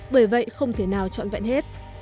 bởi vậy không thể nào chọn vẹn hết